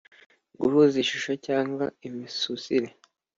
guhuza ishusho cyangwa imisusire,